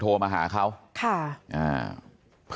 คือผู้ตายคือวู้ไม่ได้ยิน